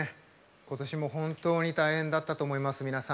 今年も本当に大変だったと思います皆さん。